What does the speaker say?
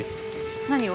何を？